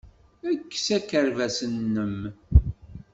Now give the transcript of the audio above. Kkes akerbas-nnem.